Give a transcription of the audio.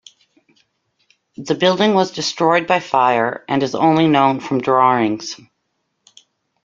The building was destroyed by fire and is only known from drawings.